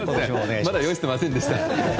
まだ用意してませんでした。